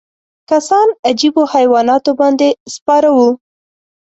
کسان عجیبو حیواناتو باندې سپاره وو.